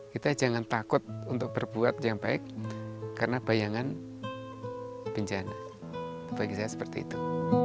kita jangan takut untuk berbuat yang baik karena bayangan bencana bagi saya seperti itu